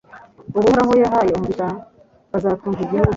Abo Uhoraho yahaye umugisha bazatunga igihugu